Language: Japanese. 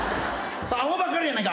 アホばっかりやないか。